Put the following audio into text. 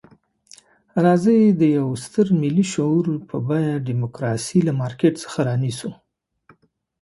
راځئ د یوه ستر ملي شعور په بیه ډیموکراسي له مارکېټ څخه رانیسو.